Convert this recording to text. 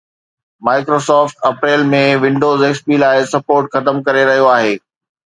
Microsoft April ۾ Windows XP لاءِ support ختم ڪري رهيو آهي